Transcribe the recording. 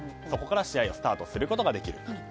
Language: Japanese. そこから試合がスタートすることができると。